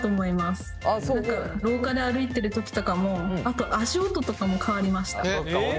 何か廊下で歩いてる時とかもあと足音とかも変わりました。